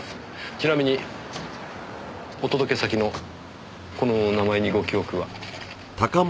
ちなみにお届け先のこのお名前にご記憶は？